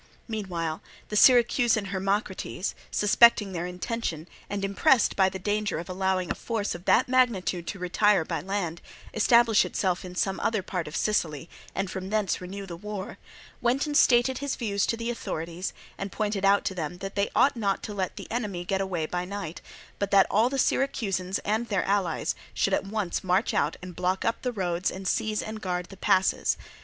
Meanwhile the Syracusan Hermocrates—suspecting their intention, and impressed by the danger of allowing a force of that magnitude to retire by land, establish itself in some other part of Sicily, and from thence renew the war—went and stated his views to the authorities, and pointed out to them that they ought not to let the enemy get away by night, but that all the Syracusans and their allies should at once march out and block up the roads and seize and guard the passes.